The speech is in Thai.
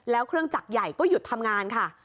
แล้วเครื่องจักรใหญ่ก็หยุดทำงานค่ะ